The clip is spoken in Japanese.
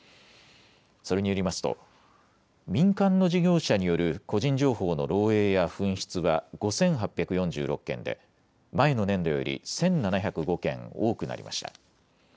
それによりますと、民間の事業者による個人情報の漏えいや紛失は５８４６件で、前の年度より１７０５件多くなりました。